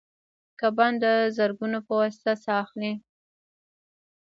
کبان د زګونو په واسطه ساه اخلي